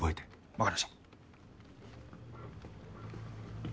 わかりました。